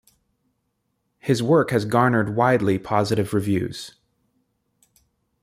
His work has garnered widely positive reviews.